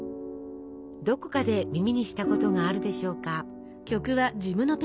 どこかで耳にしたことがあるでしょうか？